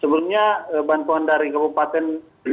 sebenarnya bantuan dari kabupaten